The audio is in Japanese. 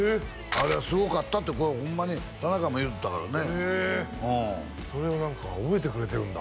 「あれはすごかった」ってこれホンマに田中も言いよったからねへえそれは何か覚えてくれてるんだ